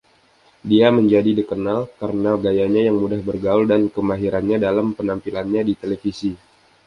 Dia menjadi dikenal karena gayanya yang mudah bergaul dan kemahirannya dalam penampilannya di televisi.